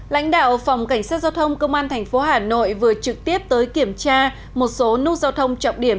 lãnh đạo phòng cảnh sát giao thông công an tp hà nội vừa trực tiếp tới kiểm tra một số nút giao thông trọng điểm